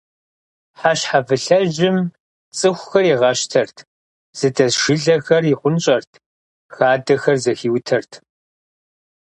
Хьэщхьэвылъэжьым цӏыхухэр игъащтэрт, зыдэс жылэхэр ихъунщӏэрт, хадэхэр зэхиутэрт.